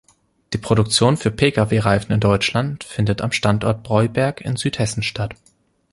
Die Produktion für Pkw-Reifen in Deutschland findet am Standort Breuberg in Südhessen statt.